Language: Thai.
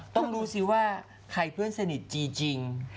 ต้องรู้สิว่าใครเพื่อนสนิทจีจริง